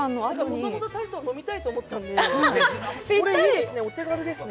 もともとタルトを飲みたいと思ってたので、ぴったりですね、お手軽ですね。